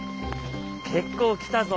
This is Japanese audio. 結構来たぞ。